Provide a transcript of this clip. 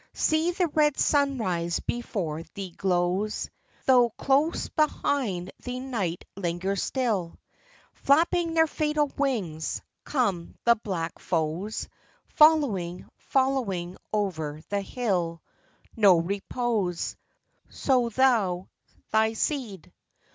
See the red sunrise before thee glows, Though close behind thee night lingers still, Flapping their fatal wings, come the black foes, Following, following over the hill. No repose; Sow thou thy seed.